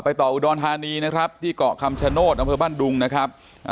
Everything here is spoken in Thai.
ต่ออุดรธานีนะครับที่เกาะคำชโนธอำเภอบ้านดุงนะครับ